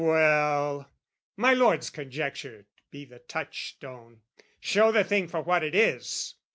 well, My lords' conjecture be the touchstone, show The thing for what it is!